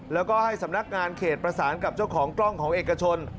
แล้วก็ให้สำนักงานเขตประสานกับเจ้าของกล้องของเอกชน